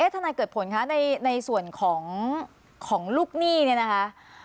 ถ้านายเกิดผลในส่วนของลูกหนี้นี่นะค่ะ